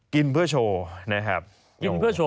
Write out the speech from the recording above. กินเพื่อโชว์